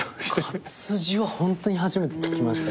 活字はホントに初めて聞きました。